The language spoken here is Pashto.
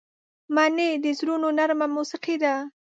مني د زړونو نرمه موسيقي ده